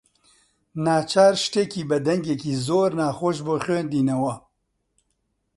ناچار شتێکی بە دەنگێکی زۆر ناخۆش بۆ خوێندینەوە!